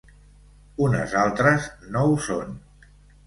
Unes altres no ho són.